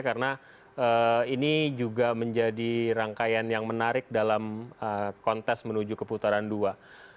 karena ini juga menjadi rangkaian yang menarik dalam kontes menuju keputaran dua